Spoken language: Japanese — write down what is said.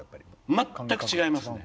全く違いますね。